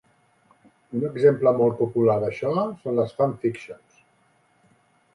Un exemple molt popular d'això són les "fan fictions".